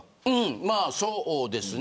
まあ、そうですね。